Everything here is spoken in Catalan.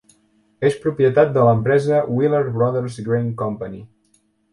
És propietat de l'empresa Wheeler Brothers Grain Company.